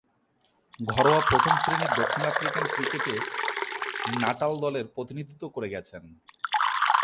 ঘরোয়া প্রথম-শ্রেণীর দক্ষিণ আফ্রিকান ক্রিকেটে নাটাল দলের প্রতিনিধিত্ব করে গেছেন।